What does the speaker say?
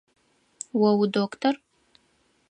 О удоктор?